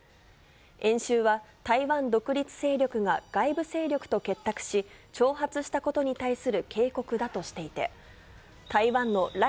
演習は、台湾独立勢力が外部勢力と結託し、挑発したことに対する警告だとしていて、台湾の頼